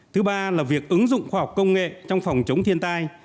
thứ ba là việc ứng dụng khoa học công nghệ trong phòng chống thiên tai